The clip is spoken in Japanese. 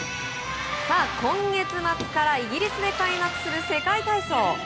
今月末からイギリスで開幕する世界体操。